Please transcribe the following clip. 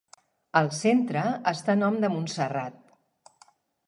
El centre està a nom de Montserrat.